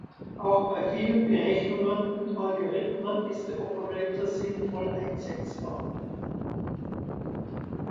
Auch bei vielen Berechnungen und Algorithmen ist der Operator sinnvoll einsetzbar.